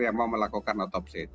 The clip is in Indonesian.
yang mau melakukan otopsi